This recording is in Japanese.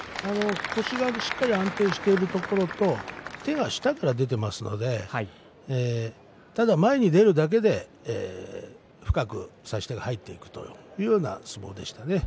腰がしっかり安定しているところと手が下から出ていますのでただ前に出るだけで深く差し手が入っていくという相撲でしたね。